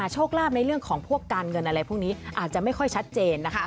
โชคลาภในเรื่องของพวกการเงินอะไรพวกนี้อาจจะไม่ค่อยชัดเจนนะคะ